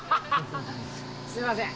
すみません。